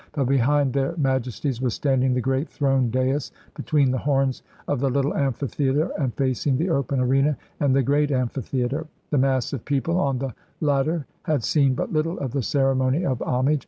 But behind Their Majesties was standing the great throne dais between the horns of the little amphitheater and facing the open arena and the great amphitheater. The mass of people on the latter had seen but little of the ceremony of homage.